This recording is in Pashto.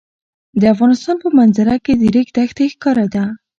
د افغانستان په منظره کې د ریګ دښتې ښکاره ده.